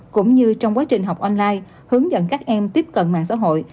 cũng như trong quá trình học online hướng dẫn các em tiếp cận mạng xã hội